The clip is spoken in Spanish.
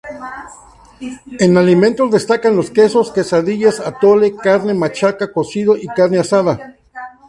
En alimentos destacan los quesos, quesadillas, atole, carne, machaca, cocido y carne asada.